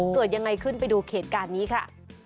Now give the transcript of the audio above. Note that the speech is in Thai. เกิดยังไงขึ้นไปดูเหตุการณ์นี้ค่ะ